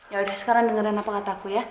yaudah sekarang dengerin apa kataku ya